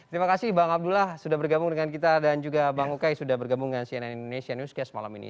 terima kasih bang abdullah sudah bergabung dengan kita dan juga bang ukay sudah bergabung dengan cnn indonesia newscast malam ini